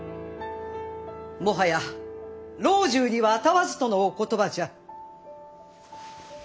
もはや老中には能わずとのお言葉じゃ。